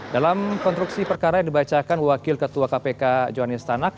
dalam konstruksi perkara yang dibacakan wakil ketua kpk johanistanak